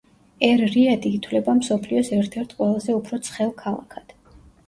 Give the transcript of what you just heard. ერ-რიადი ითვლება მსოფლიოს ერთ-ერთ ყველაზე უფრო ცხელ ქალაქად.